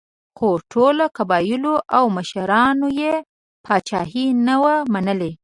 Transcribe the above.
خو ټولو قبایلو او مشرانو یې پاچاهي نه وه منلې.